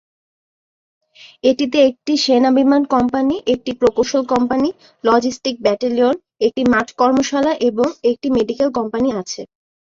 এটিতে একটি সেনা বিমান কোম্পানি, একটি প্রকৌশল কোম্পানি, লজিস্টিক ব্যাটালিয়ন, একটি মাঠ কর্মশালা এবং একটি মেডিকেল কোম্পানি আছে।